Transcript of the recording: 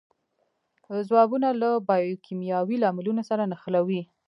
ځوابونه له بیوکیمیاوي لاملونو سره نښلوي.